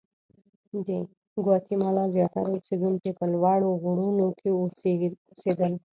د ګواتیمالا زیاتره اوسېدونکي په لوړو غرونو کې اوسېدل.